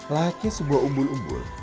laki sebuah umbul umbul